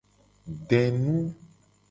Denu.